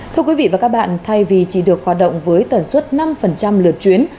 thưa quý vị và các bạn thay vì chỉ được hoạt động với tần suất năm lượt chuyến